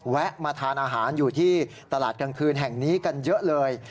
แวะมาทานอาหารอยู่ที่ตลาดกลางคืนแห่งนี้กันเยอะเลย